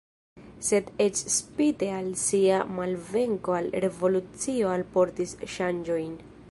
Sed eĉ spite al sia malvenko la revolucio alportis ŝanĝojn.